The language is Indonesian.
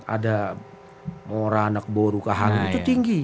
ada orang anak baru ke hari itu tinggi